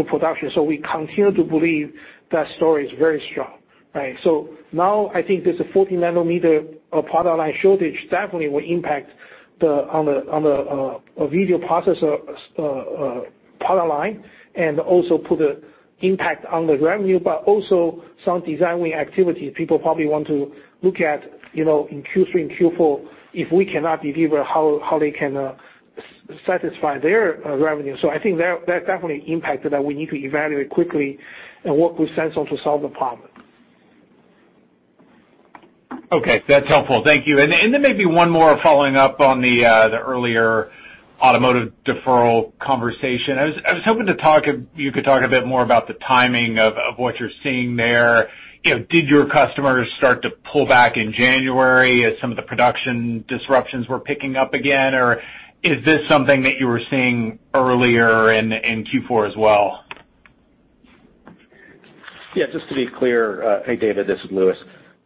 Speaker 3: production. We continue to believe that story is very strong, right? Now I think there's a 40-nanometer product line shortage definitely will impact the on the video processor product line and also put impact on the revenue, but also some designing activities. People probably want to look at, you know, in Q3 and Q4, if we cannot deliver, how they can satisfy their revenue. I think that definitely impacted that we need to evaluate quickly and work with Samsung to solve the problem.
Speaker 14: Okay, that's helpful. Thank you. Maybe one more following up on the earlier automotive deferral conversation. I was hoping you could talk a bit more about the timing of what you're seeing there. You know, did your customers start to pull back in January as some of the production disruptions were picking up again? Or is this something that you were seeing earlier in Q4 as well?
Speaker 2: Yeah, just to be clear, hey, David, this is Louis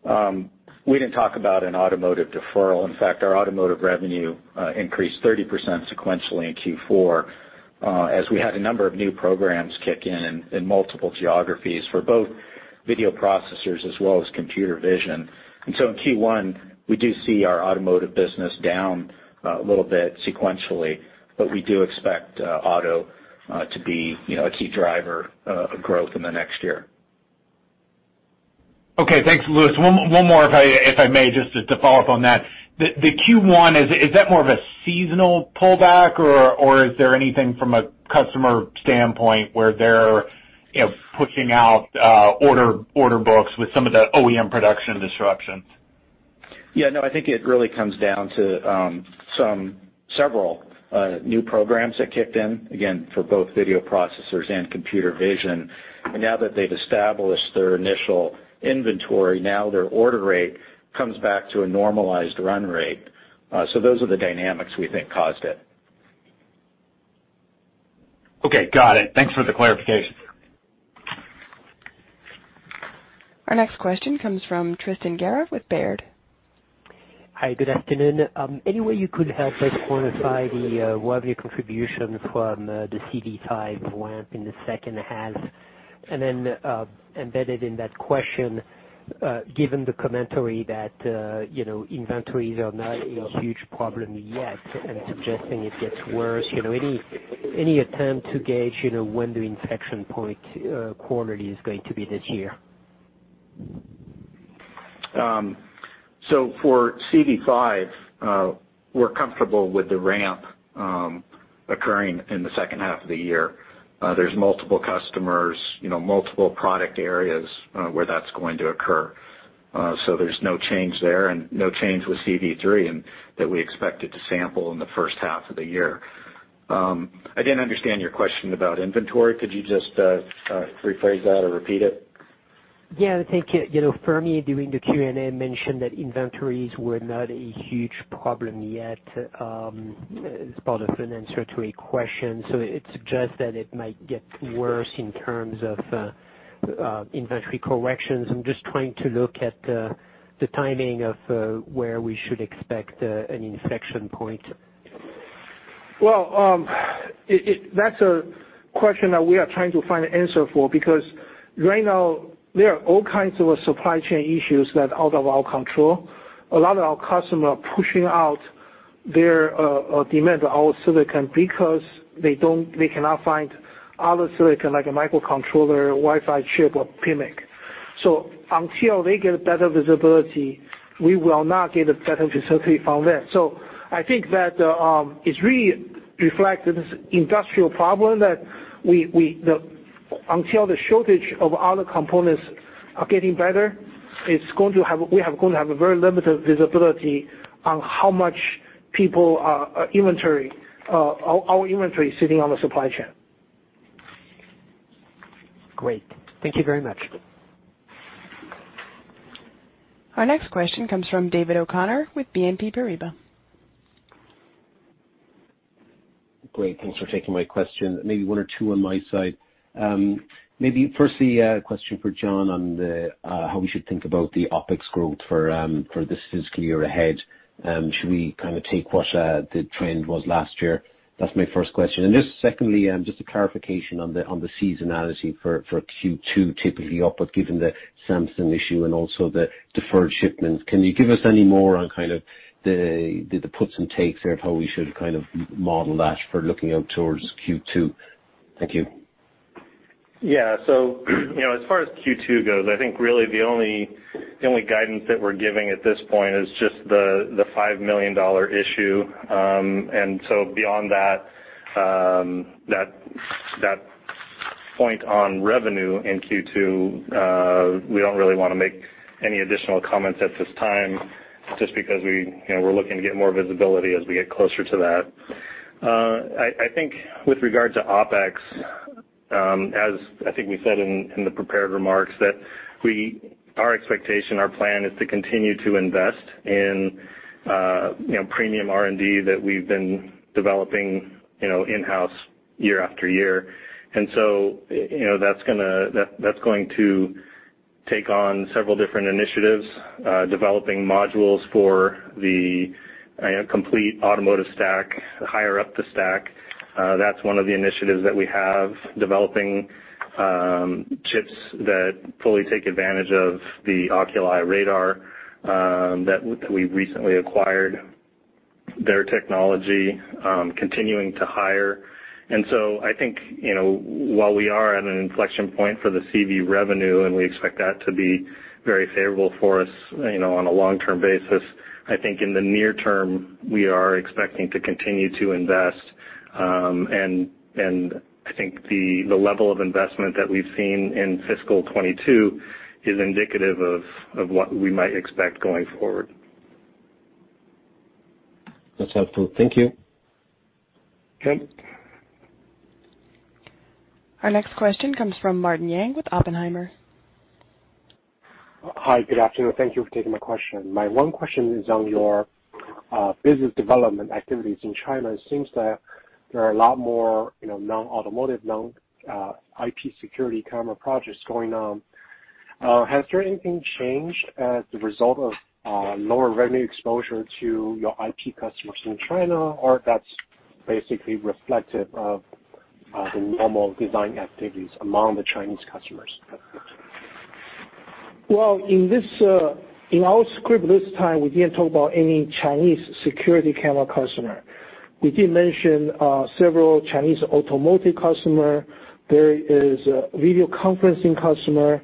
Speaker 2: Gerhardy. We didn't talk about an automotive deferral. In fact, our automotive revenue increased 30% sequentially in Q4, as we had a number of new programs kick in in multiple geographies for both video processors as well as computer vision. In Q1, we do see our automotive business down a little bit sequentially, but we do expect auto to be, you know, a key driver of growth in the next year.
Speaker 14: Okay, thanks, Louis. One more if I may, just to follow up on that. The Q1, is that more of a seasonal pullback or is there anything from a customer standpoint where they're, you know, pushing out order books with some of the OEM production disruptions?
Speaker 2: Yeah, no, I think it really comes down to several new programs that kicked in, again, for both video processors and computer vision. Now that they've established their initial inventory, now their order rate comes back to a normalized run rate. Those are the dynamics we think caused it.
Speaker 14: Okay, got it. Thanks for the clarification.
Speaker 1: Our next question comes from Tristan Gerra with Baird.
Speaker 15: Hi, good afternoon. Any way you could help us quantify the revenue contribution from the CV5 ramp in the second half? Embedded in that question, given the commentary that you know, inventories are not a huge problem yet and suggesting it gets worse, you know, any attempt to gauge you know, when the inflection point quarter is going to be this year?
Speaker 2: For CV5, we're comfortable with the ramp occurring in the second half of the year. There's multiple customers, you know, multiple product areas where that's going to occur. There's no change there and no change with CV3 in that we expect it to sample in the first half of the year. I didn't understand your question about inventory. Could you just rephrase that or repeat it?
Speaker 15: Yeah, thank you. You know, Fermi, during the Q&A, mentioned that inventories were not a huge problem yet, as part of an answer to a question. It suggests that it might get worse in terms of inventory corrections. I'm just trying to look at the timing of where we should expect an inflection point.
Speaker 3: That's a question that we are trying to find an answer for, because right now there are all kinds of supply chain issues that are out of our control. A lot of our customers are pushing out their demand for our silicon because they cannot find other silicon like a microcontroller, Wi-Fi chip, or PMIC. Until they get better visibility, we will not get a better visibility on that. I think that it really reflects this industrial problem. Until the shortage of other components gets better, we are going to have a very limited visibility on how much inventory is sitting on the supply chain.
Speaker 15: Great. Thank you very much.
Speaker 1: Our next question comes from David O'Connor with BNP Paribas.
Speaker 16: Great. Thanks for taking my question. Maybe one or two on my side. Maybe firstly, a question for John on how we should think about the OpEx growth for this fiscal year ahead. Should we kind of take what the trend was last year? That's my first question. Just secondly, just a clarification on the seasonality for Q2 typically up, but given the Samsung issue and also the deferred shipments, can you give us any more on kind of the puts and takes of how we should kind of model that for looking out towards Q2? Thank you.
Speaker 4: Yeah. You know, as far as Q2 goes, I think really the only guidance that we're giving at this point is just the $5 million issue. Beyond that point on revenue in Q2, we don't really wanna make any additional comments at this time just because you know, we're looking to get more visibility as we get closer to that. I think with regard to OpEx, as I think we said in the prepared remarks, that our expectation, our plan is to continue to invest in you know, premium R&D that we've been developing you know, in-house year after year. You know, that's going to take on several different initiatives, developing modules for the complete automotive stack, higher up the stack. That's one of the initiatives that we have, developing chips that fully take advantage of the Oculii radar that we recently acquired their technology, continuing to hire. I think, you know, while we are at an inflection point for the CV revenue, and we expect that to be very favorable for us, you know, on a long-term basis, I think in the near term, we are expecting to continue to invest, and I think the level of investment that we've seen in fiscal 2022 is indicative of what we might expect going forward.
Speaker 16: That's helpful. Thank you.
Speaker 4: Okay.
Speaker 1: Our next question comes from Martin Yang with Oppenheimer.
Speaker 17: Hi. Good afternoon. Thank you for taking my question. My one question is on your business development activities in China. It seems that there are a lot more, you know, non-automotive, non IP security camera projects going on. Has there anything changed as the result of lower revenue exposure to your IP customers in China, or that's basically reflective of the normal design activities among the Chinese customers?
Speaker 3: Well, in this, in our script this time, we didn't talk about any Chinese security camera customer. We did mention several Chinese automotive customer. There is a video conferencing customer.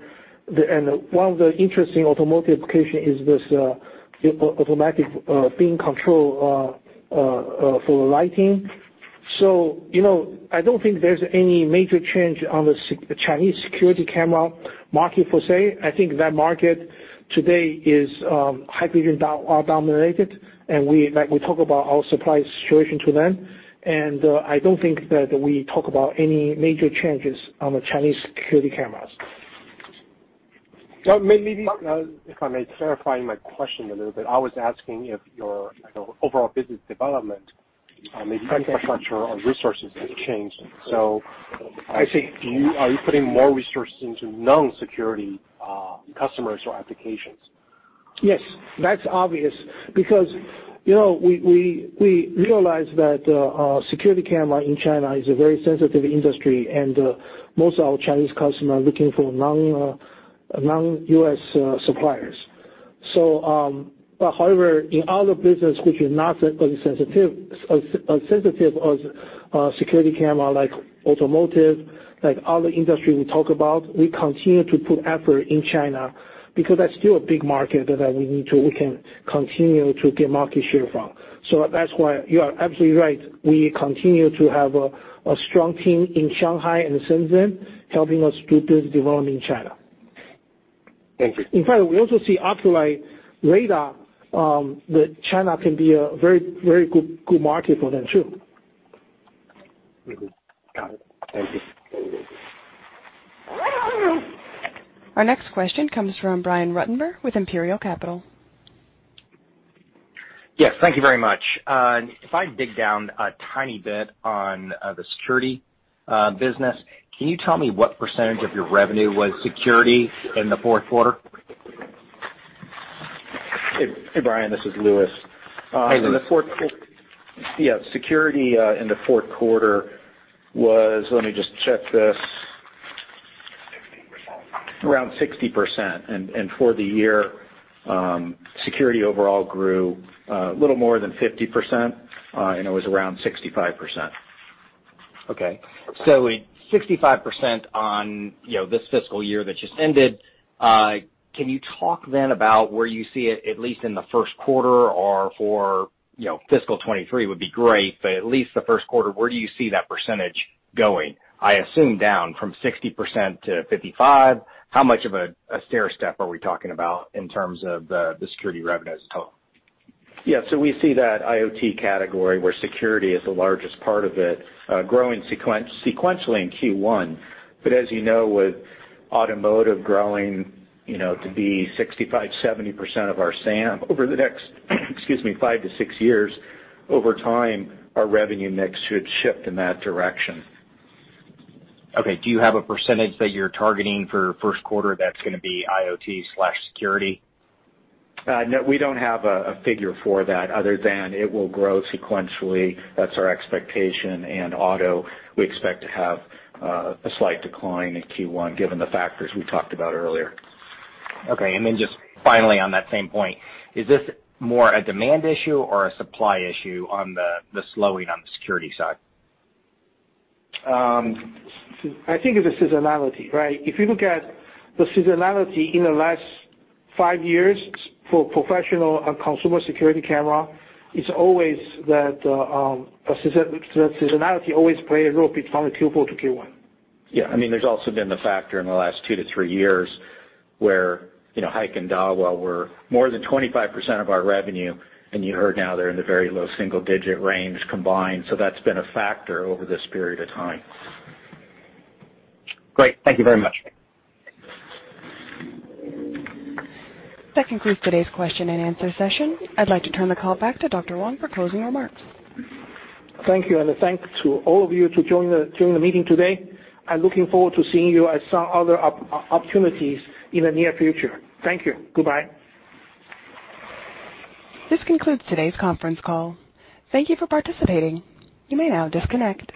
Speaker 3: One of the interesting automotive application is this automatic beam control for lighting. You know, I don't think there's any major change on the Chinese security camera market per se. I think that market today is highly dominated, and we, like we talk about our supply situation to them. I don't think that we talk about any major changes on the Chinese security cameras.
Speaker 17: Well, maybe if I may clarify my question a little bit. I was asking if your, you know, overall business development, infrastructure or resources have changed.
Speaker 3: I see.
Speaker 17: Are you putting more resources into non-security customers or applications?
Speaker 3: Yes. That's obvious because, you know, we realize that security camera in China is a very sensitive industry, and most of our Chinese customers are looking for non-US suppliers. However, in other business which is not as sensitive as security camera, like automotive, like other industry we talk about, we continue to put effort in China because that's still a big market that we can continue to get market share from. That's why you are absolutely right. We continue to have a strong team in Shanghai and Shenzhen helping us do this development in China.
Speaker 17: Thank you.
Speaker 3: In fact, we also see Oculii radar that China can be a very good market for them too.
Speaker 17: Got it. Thank you.
Speaker 1: Our next question comes from Brian Ruttenbur with Imperial Capital.
Speaker 18: Yes. Thank you very much. If I dig down a tiny bit on the security business, can you tell me what percentage of your revenue was security in the fourth quarter?
Speaker 2: Hey, Brian, this is Louis
Speaker 18: Hey, Louis.
Speaker 2: Security in the fourth quarter was, let me just check this. Around 60%. For the year, security overall grew a little more than 50%, and it was around 65%.
Speaker 18: Okay. 65% of, you know, this fiscal year that just ended. Can you talk then about where you see it at least in the first quarter or for, you know, fiscal 2023 would be great, but at least the first quarter, where do you see that percentage going? I assume down from 60% - 55%. How much of a stairstep are we talking about in terms of the security revenue as a total?
Speaker 2: Yeah. We see that IoT category where security is the largest part of it, growing sequentially in Q1. As you know, with automotive growing, you know, to be 65%-70% of our SAM over the next, excuse me, 5-6 years, over time, our revenue mix should shift in that direction.
Speaker 18: Okay. Do you have a percentage that you're targeting for first quarter that's gonna be IoT/security?
Speaker 2: No, we don't have a figure for that other than it will grow sequentially. That's our expectation. Auto, we expect to have a slight decline in Q1 given the factors we talked about earlier.
Speaker 18: Okay. Just finally on that same point, is this more a demand issue or a supply issue on the slowing on the security side?
Speaker 3: I think it's a seasonality, right? If you look at the seasonality in the last five years for professional and consumer security camera, it's always that, seasonality always play a role between from the Q4 to Q1.
Speaker 2: Yeah. I mean, there's also been the factor in the last 2 - 3 years where, you know, Hikvision and Dahua were more than 25% of our revenue, and you heard now they're in the very low single-digit range combined. That's been a factor over this period of time.
Speaker 18: Great. Thank you very much.
Speaker 1: That concludes today's question and answer session. I'd like to turn the call back to Dr. Wang for closing remarks.
Speaker 3: Thank you, and thanks to all of you for joining the meeting today. I'm looking forward to seeing you at some other opportunities in the near future. Thank you. Goodbye.
Speaker 1: This concludes today's conference call. Thank you for participating. You may now disconnect.